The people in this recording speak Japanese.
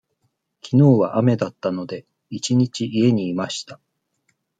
きのうは雨だったので、一日家にいました。